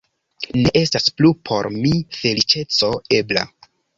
Ne estas plu por mi feliĉeco ebla.